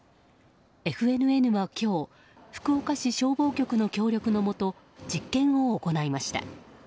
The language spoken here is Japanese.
ＦＮＮは今日福岡市消防局の協力のもと実験を行いました。